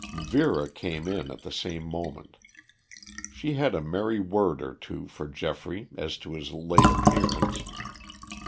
Vera came in at the same moment. She had a merry word or two for Geoffrey as to his late appearance.